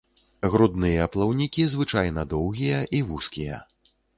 Грудныя плаўнікі звычайна доўгія і вузкія.